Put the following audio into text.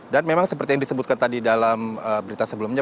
dan memang seperti yang disebutkan tadi dalam berita sebelumnya